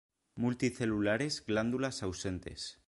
Multicelulares glándulas ausentes.